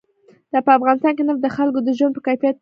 په افغانستان کې نفت د خلکو د ژوند په کیفیت تاثیر کوي.